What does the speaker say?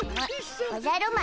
ん？おじゃる丸？